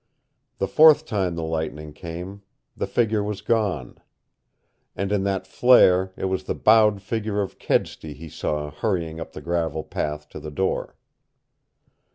The fourth time the lightning came, the figure was gone. And in that flare it was the bowed figure of Kedsty he saw hurrying up the gravel path to the door.